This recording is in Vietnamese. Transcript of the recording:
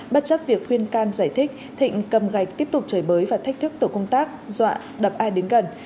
bất chấp việc khuyên can giải thích thịnh cầm gạch tiếp tục trời bới và thách thức tổ công tác dọa đập ai đến gần